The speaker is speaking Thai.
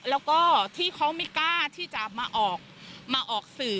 แล้วก็ที่เขาไม่กล้าที่จะมาออกมาออกสื่อ